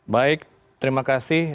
baik terima kasih